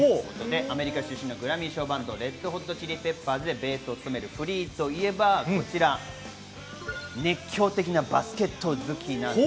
アメリカ出身のグラミー賞バンド、レッド・ホット・チリ・ペッパーズでベースを務めるフリーといえば、熱狂的なバスケット好きです。